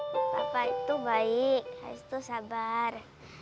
bapak itu baik habis itu sabar